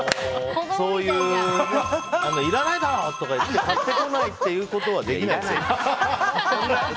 いらないだろ！とか言って買ってこないってことはできない性格ですから。